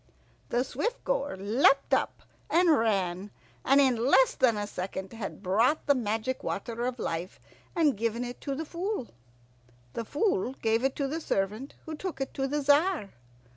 The Swift goer leapt up and ran, and in less than a second had brought the magic water of life and given it to the Fool. The Fool gave it to the servant, who took it to the Tzar.